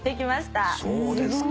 そうですか。